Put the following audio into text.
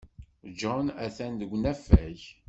John atan deg unafag.